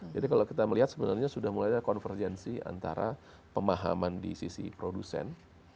kalau kita melihat sebenarnya sudah mulai ada konvergensi antara pemahaman di sisi produsen